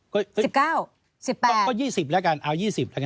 ก็สิบเก้าสิบแปดก็ยี่สิบแล้วกันเอายี่สิบแล้วกัน